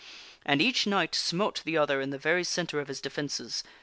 And each knight smote the other in the very centre of his defences.